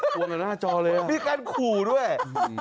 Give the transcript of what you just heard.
โอ้โฮตัวหน้าจอเลยมีการขู่ด้วยเออ